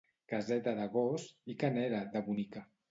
Caseta de gos, i que n'era, de bonica!